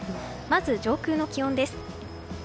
まず上空の気温です。